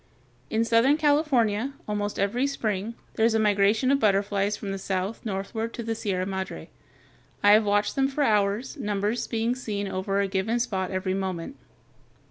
] In southern California, almost every spring, there is a migration of butterflies from the south northward along the Sierra Madre. I have watched them for hours, numbers being seen over a given spot every moment.